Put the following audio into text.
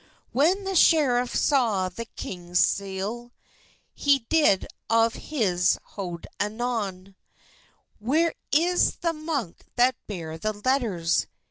When the schereft saw the kyngus seelle, He did of his hode anon; "Wher is the munke that bare the letturs?"